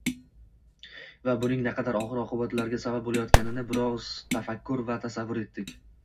va buning naqadar og‘ir oqibatlarga sabab bo‘layotganini biroz tafakkur va tasavvur etdik.